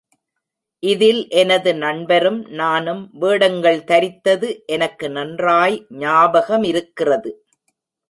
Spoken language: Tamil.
இதில் எனது நண்பரும் நானும் வேடங்கள் தரித்தது எனக்கு நன்றாய் ஞாபகமிருக்கிறது.